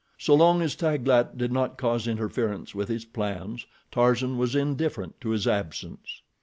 So long as Taglat did not cause interference with his plans, Tarzan was indifferent to his absence.